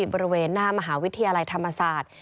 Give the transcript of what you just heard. บริเวณหน้ามหาวิทยาลัยธรรมศาสตร์